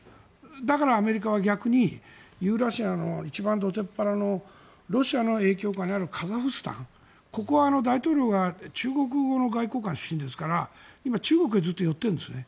だからアメリカは逆にユーラシアの一番どてっぱらのロシアの影響下にあるカザフスタンここは大統領が中国語の外交官出身ですから今、中国にずっと寄っているんですね。